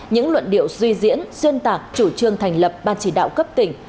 những luận điệu suy diễn xuyên tạc chủ trương thành lập ban chỉ đạo cấp tỉnh